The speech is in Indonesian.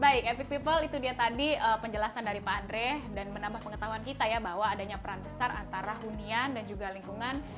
baik epic people itu dia tadi penjelasan dari pak andre dan menambah pengetahuan kita ya bahwa adanya peran besar antara hunian dan juga lingkungan